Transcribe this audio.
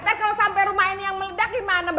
ntar kalo sampe rumah ini yang meledak gimana